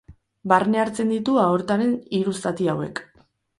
Barne hartzen ditu aortaren hiru zati hauek.